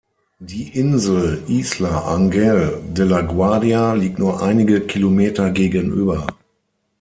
Die Insel Isla Ángel de la Guarda liegt nur einige Kilometer gegenüber.